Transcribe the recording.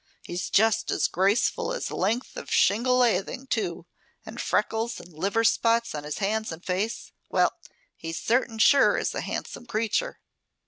"He's just as graceful as a length of shingle lathing, too. And freckles and liver spots on his hands and face, well, he certain sure is a handsome creature.